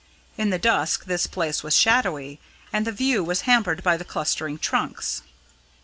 In the dusk this place was shadowy, and the view was hampered by the clustering trunks.